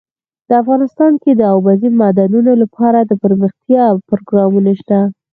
افغانستان کې د اوبزین معدنونه لپاره دپرمختیا پروګرامونه شته.